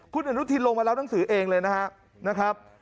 คุณอนุทินลงมารับหนังสือเองเลยนะครับ